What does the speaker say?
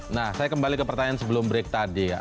nah saya kembali ke pertanyaan sebelum break tadi ya